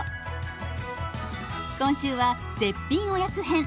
今週は絶品おやつ編。